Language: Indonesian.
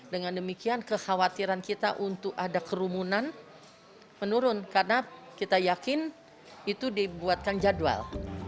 dengan demikian kekhawatiran kita untuk ada kerumunan menurun karena kita yakin itu dibuatkan jadwal